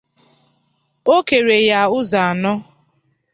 o kèrè ya ụzọ anọ